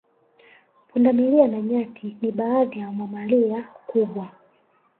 Punda milia na nyati ni baadhi ya mamalia kubwa